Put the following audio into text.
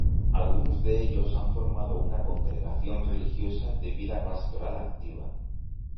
Algunos de ellos han formado una congregación religiosa de vida pastoral activa.